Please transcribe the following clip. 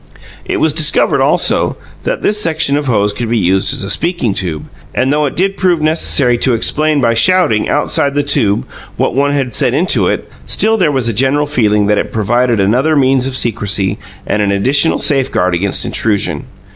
It was discovered, also, that the section of hose could be used as a speaking tube; and though it did prove necessary to explain by shouting outside the tube what one had said into it, still there was a general feeling that it provided another means of secrecy and an additional safeguard against intrusion.